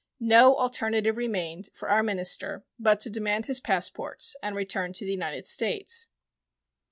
No alternative remained for our minister but to demand his passports and return to the United States.